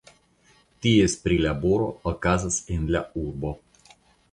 Ties prilaboro okazas en la urbo.